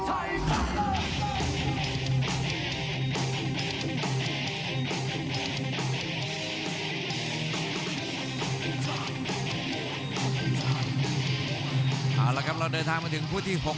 เอาละครับเราเดินทางมาถึงคู่ที่๖